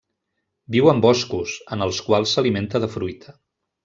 Viu en boscos, en els quals s'alimenta de fruita.